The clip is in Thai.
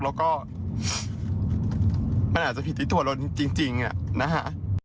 แล้วก็มันอาจจะผิดที่ตัวเราจริงนะฮะ